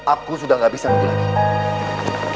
aku sudah gak bisa nunggu lagi